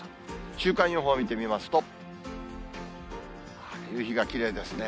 週間予報を見てみますと、夕日がきれいですね。